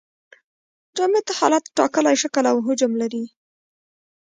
جامد حالت ټاکلی شکل او حجم لري.